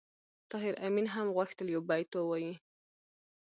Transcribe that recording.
طاهر آمین هم غوښتل یو بیت ووایي